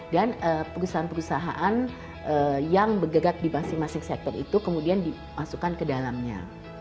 dan perusahaan perusahaan yang bergerak di masing masing sector itu kemudian dimasukkan ke dalamnya